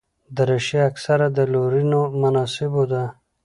دریشي اکثره د لورینو مناسبو ده.